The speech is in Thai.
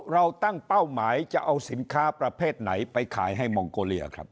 เราตั้งเป้าหมายจะเอาสินค้าประเภทไหนไปขายให้มองโกเลียครับ